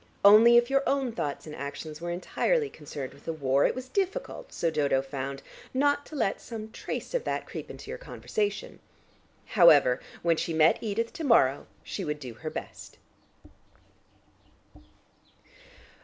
Only, if your own thoughts and actions were entirely concerned with the war, it was difficult, so Dodo found, not to let some trace of that creep into your conversation. However, when she met Edith to morrow, she would do her best.